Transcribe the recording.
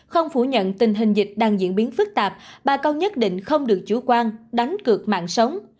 không phủ nhận tình hình dịch đang diễn biến phức tạp bà con nhất định không được chủ quan đánh cược mạng sống